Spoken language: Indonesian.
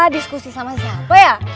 diskusi sama siapa ya